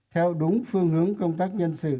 theo đúng phương hướng công tác nhân sự